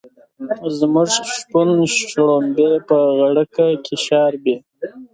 زموږ شپون شړومبی په غړکه کې شاربي.